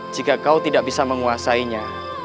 jika kau tidak bisa menguasainya